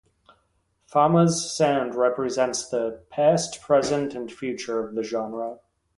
Fama's sound represents the past, present and future of their genre.